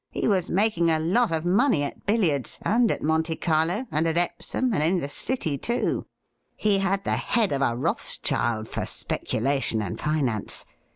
He was making a lot of money at billiards, and at Monte Carlo, and at Epsom, and in the City, too ; he had the head of a Rothschild for speculation and finance.